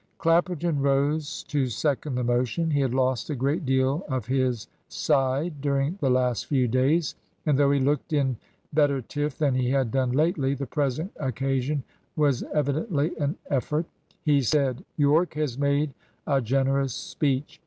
Clapperton rose to second the motion. He had lost a great deal of his "side" during the last few days, and though he looked in better tiff than he had done lately, the present occasion was evidently an effort. He said: "Yorke has made a generous speech.